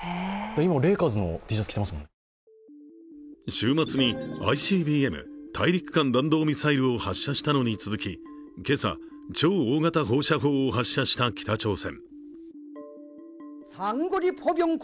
週末にＩＣＢＭ＝大陸間弾道ミサイルを発射したのに続き、今朝、超大型放射砲を発射した北朝鮮。